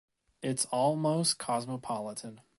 It’s almost cosmopolitan